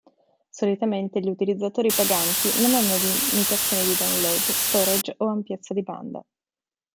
Solitamente gli utilizzatori paganti non hanno limitazioni di download, storage o ampiezza banda.